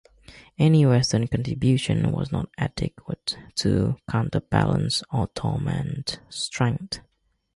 Any Western contribution was not adequate to counterbalance Ottoman strength.